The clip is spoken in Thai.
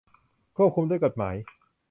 ควบคุมด้วยกฎหมาย